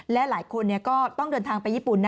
และหลายคนก็ต้องเดินทางไปญี่ปุ่น